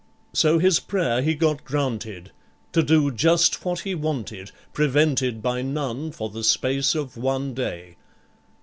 So his prayer he got granted to do just what he wanted, Prevented by none, for the space of one day.